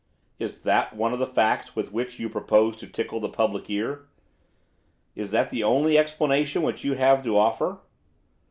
'Is that one of the facts with which you propose to tickle the public ear?' 'Is that the only explanation which you have to offer?